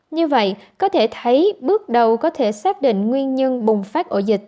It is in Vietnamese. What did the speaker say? như vậy có thể thấy bước đầu có thể xác định nguyên nhân bùng phát ổ dịch